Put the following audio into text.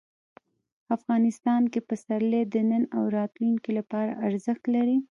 افغانستان کې پسرلی د نن او راتلونکي لپاره ارزښت لري.